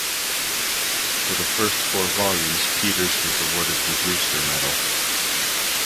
For the first four volumes Peters was awarded the Brewster Medal.